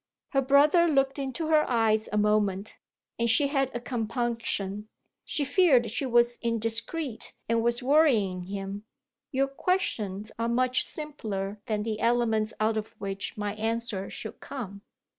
Her brother looked into her eyes a moment, and she had a compunction; she feared she was indiscreet and was worrying him. "Your questions are much simpler than the elements out of which my answer should come."